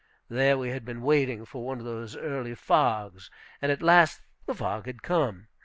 There we had been waiting for one of those early fogs, and at last the fog had come.